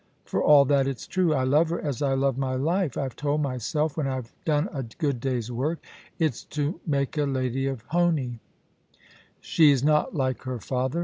... For all that, it's true. I love her as I love my life. I've told myself, when I've done a good day's work, " It's to make a lady of Honie." She's not like her father.